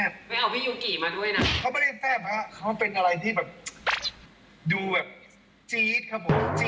ไปเอาพี่มาด้วยน่ะเขาเป็นอะไรที่แบบดูแบบครับผม